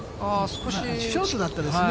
ショートだったんですね。